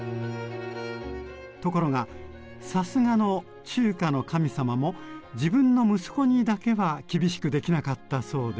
ところがさすがの「中華の神様」も自分の息子にだけは厳しくできなかったそうで。